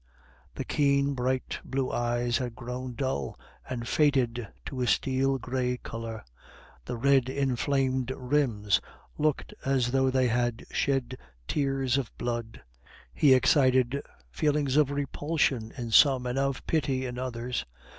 The keen, bright blue eyes had grown dull, and faded to a steel gray color; the red inflamed rims looked as though they had shed tears of blood. He excited feelings of repulsion in some, and of pity in others.